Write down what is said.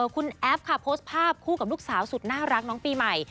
คุณแอฟค่ะโพสต์ภาพคู่กับลูกสาวสุดน่ารักน้องปีใหม่